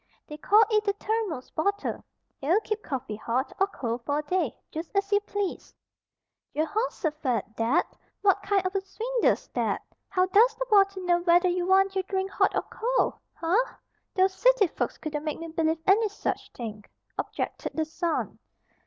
They call it a thermos bottle. It'll keep coffee hot, or cold, for a day, just as you please." "Jehosaphat, Dad! What kind of a swindle's that? How does the bottle know whether you want your drink hot or cold? Huh! Those city folks couldn't make me believe any such thing," objected the son.